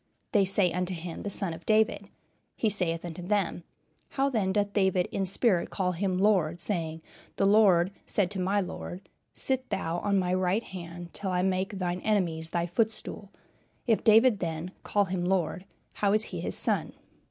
They say unto him, the Son of David. He saith unto them, How then doth David in spirit call him Lord, saying, The Lord said unto my Lord, Sit thou on my right hand till I make thine enemies thy footstool? If David then call him Lord, how is he his son?"